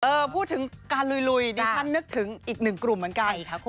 พูดถึงการลุยดิฉันนึกถึงอีกหนึ่งกลุ่มเหมือนกัน